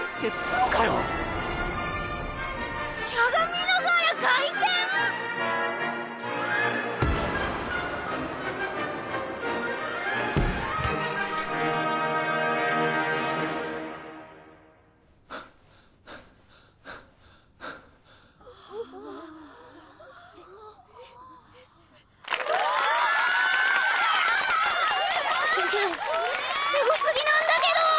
すげぇすごすぎなんだけど！